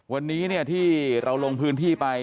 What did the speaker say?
วันนี้ที่เราลงพื้นที่ไป